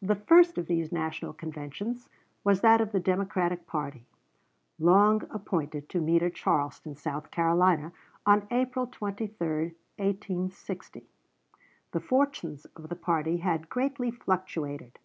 The first of these National conventions was that of the Democratic party, long appointed to meet at Charleston, South Carolina, on April 23, 1860. The fortunes of the party had greatly fluctuated.